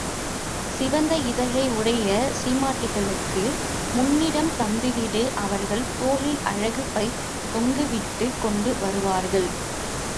சிவந்த இதழை உடைய சீமாட்டிகளுக்கு முன்னிடம் தந்துவிடு அவர்கள் தோளில் அழகுப் பை தொங்கவிட்டுக் கொண்டு வருவார்கள்.